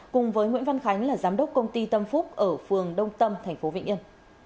cùng với nguyễn văn khánh là giám đốc công ty tâm phúc ở phường đông tâm tp vĩnh yên